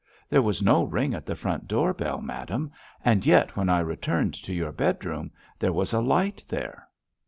There was no ring at the front door bell, madame—and yet when I returned to your bedroom there was a light there."